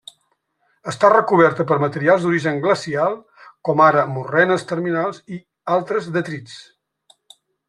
Està recoberta per materials d'origen glacial, com ara morrenes terminals i altres detrits.